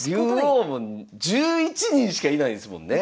竜王も１１人しかいないですもんね。